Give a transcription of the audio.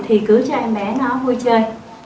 thì cứ cho em bé nó vui chơi